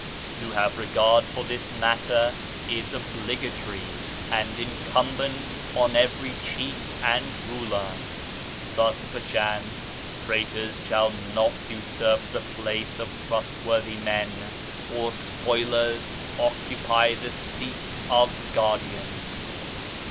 To have regard for this matter is obligatory and incum bent on every chief and ruler. Thus 1 122 BAHAISM perchance, traitors shall not usurp the place of trustworthy men, or spoilers occupy the seat of guardians."